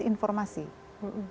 misinformasi atau disinformasi